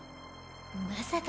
まさか。